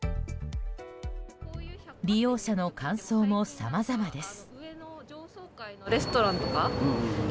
利用者の感想もさまざまです。